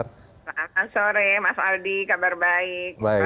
selamat sore mas aldi kabar baik